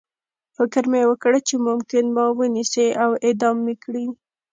فکر مې وکړ چې ممکن ما ونیسي او اعدام مې کړي